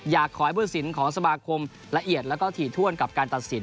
อยากขอให้ผู้สินของสมาคมละเอียดแล้วก็ถี่ถ้วนกับการตัดสิน